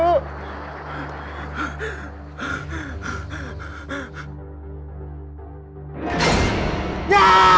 eh badan saya merah